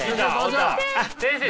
先生！